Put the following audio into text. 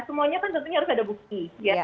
semuanya kan tentunya harus ada bukti